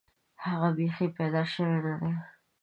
هغه بیخي پیدا شوی نه دی.